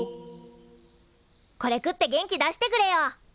これ食って元気出してくれよ。